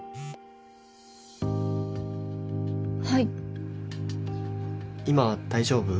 はい今大丈夫？